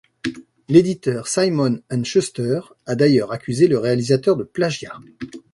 L'éditeur Simon & Schuster a d'ailleurs accusé le réalisateur de plagiat.